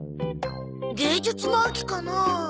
芸術の秋かなあ。